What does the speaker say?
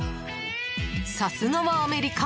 さすがはアメリカ。